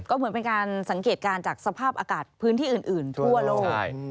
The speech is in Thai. ก็เหมือนเป็นการสังเกตการณ์จากสภาพอากาศพื้นที่อื่นทั่วโลก